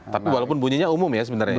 tapi walaupun bunyinya umum ya sebenarnya